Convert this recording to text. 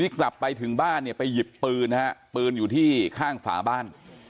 กลับไปถึงบ้านเนี่ยไปหยิบปืนนะฮะปืนอยู่ที่ข้างฝาบ้าน